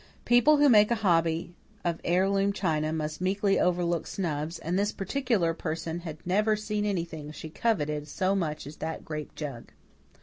People who make a hobby of heirloom china must meekly overlook snubs, and this particular person had never seen anything she coveted so much as that grape jug.